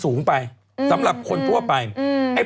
คุณหมอโดนกระช่าคุณหมอโดนกระช่า